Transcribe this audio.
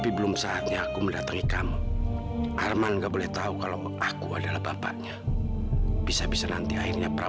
ya saya memang cuma lulusan sma sih pak